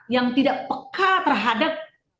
yang tidak peka terhadap